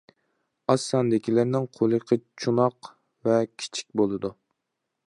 ئاز ساندىكىلىرىنىڭ قۇلىقى چوناق ۋە كىچىك بولىدۇ.